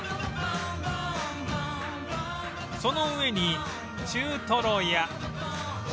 その上に中トロや